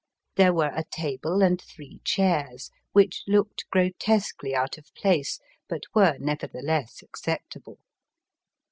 There were a table and three chairs, which looked grotesquely out of place, but were neverthe less acceptable.